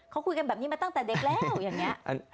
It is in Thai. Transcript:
เขาคุยกันแบบนี้มาตั้งแต่เด็กแล้วอย่างนี้